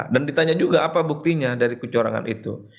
dan ditanya juga apa buktinya dari kecorangan itu